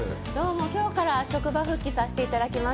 今日から職場復帰させていただきます。